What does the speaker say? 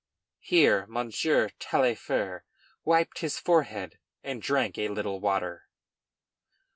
[Here Monsieur Taillefer wiped his forehead and drank a little water.